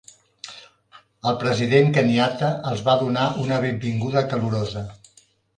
El president Kenyatta els va donar una benvinguda calorosa.